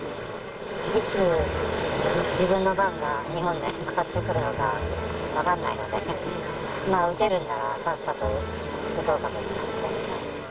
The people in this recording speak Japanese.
いつ、自分の番が日本で回ってくるのか分かんないので、打てるなら、さっさと打とうかと思いまして。